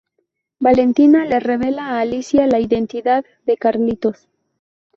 Valentina le revela a Alicia la identidad de Carlitos.